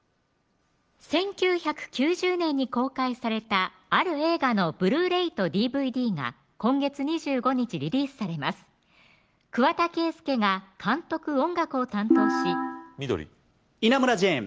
１９９０年に公開されたある映画のＢｌｕ−ｒａｙとＤＶＤが今月２５日リリースされます桑田佳祐が監督・音楽を担当し緑稲村ジェーン